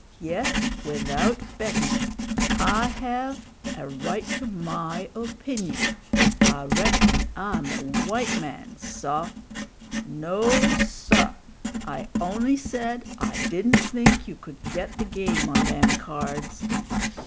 Yes, without bettin'! I hev a right to my _o_pinion; I reckon I'm a white man, saw! No, saw! I on'y said I didn't think you could get the game on them cards.